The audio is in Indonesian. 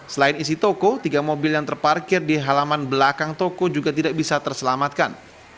selain isi toko tiga mobil yang terparkir di halaman belakang toko juga tidak bisa terselamatkan